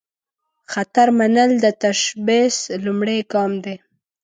خطر منل، د تشبث لومړۍ ګام دی.